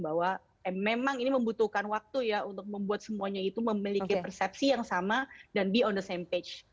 bahwa memang ini membutuhkan waktu ya untuk membuat semuanya itu memiliki persepsi yang sama dan be on the sampage